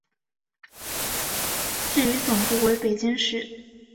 至于总部为北京市。